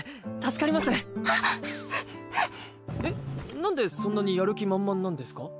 なんでそんなにやる気満々なんですか？